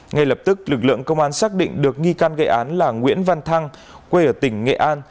ngay lập tức lực lượng công an xác định được nghi can gây án là nguyễn văn thăng quê ở tỉnh nghệ an